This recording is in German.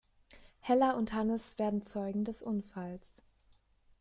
Hella und Hannes werden Zeugen des Unfalls.